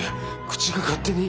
口が勝手に。